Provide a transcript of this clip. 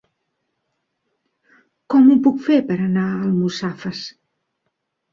Com ho puc fer per anar a Almussafes?